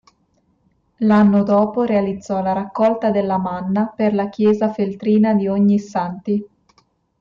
L'anno dopo realizzò la "Raccolta della manna" per la chiesa feltrina di Ognissanti.